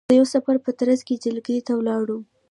د یوه سفر په ترځ کې جلگې ته ولاړم،